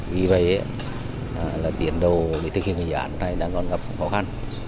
vì vậy tiến đầu để thực hiện dự án này đang gặp khó khăn